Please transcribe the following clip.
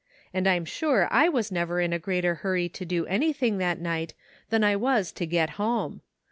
and I'm sure I was never in a greater hurry to do anything that night than I was to get home.